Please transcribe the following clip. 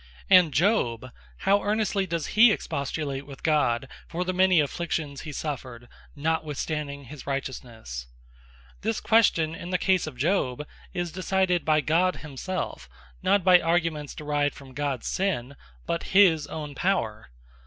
And Job, how earnestly does he expostulate with God, for the many Afflictions he suffered, notwithstanding his Righteousnesse? This question in the case of Job, is decided by God himselfe, not by arguments derived from Job's Sinne, but his own Power.